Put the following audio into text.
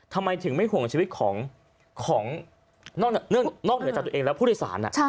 ทำไมถึงไม่ห่วงชีวิตของนอกเหนือจากตัวเองแล้วผู้โดยสาร